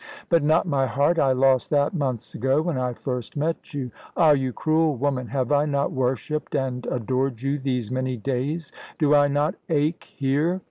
"But not my heart. I lost that months ago, when I first met you. Ah, you cruel woman, have I not worshipped and adored you these many days? Do I not ache here?"